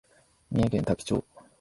三重県多気町